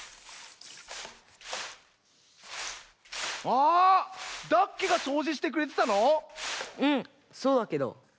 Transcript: あダッケがそうじしてくれてたの⁉うんそうだけど。